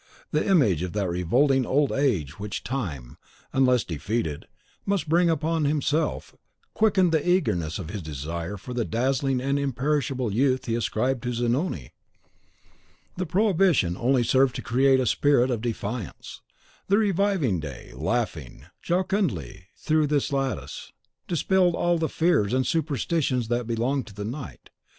The image of that revolting Old Age which Time, unless defeated, must bring upon himself, quickened the eagerness of his desire for the dazzling and imperishable Youth he ascribed to Zanoni. The prohibition only served to create a spirit of defiance. The reviving day, laughing jocundly through his lattice, dispelled all the fears and superstitions that belong to night.